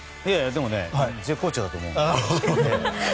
でも、絶好調だと思う。